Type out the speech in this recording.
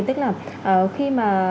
tức là khi mà